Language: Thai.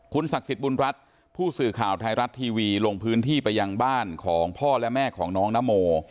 ศักดิ์สิทธิ์บุญรัฐผู้สื่อข่าวไทยรัฐทีวีลงพื้นที่ไปยังบ้านของพ่อและแม่ของน้องนโม